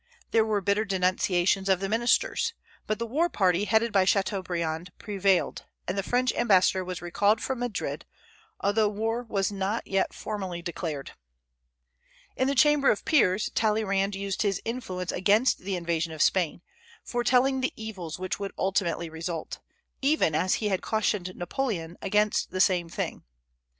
There were bitter denunciations of the ministers; but the war party headed by Chateaubriand prevailed, and the French ambassador was recalled from Madrid, although war was not yet formally declared. In the Chamber of Peers Talleyrand used his influence against the invasion of Spain, foretelling the evils which would ultimately result, even as he had cautioned Napoleon against the same thing.